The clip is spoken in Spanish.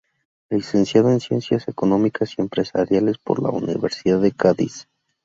Licenciado en Ciencias Económicas y Empresariales por la Universidad de Cádiz.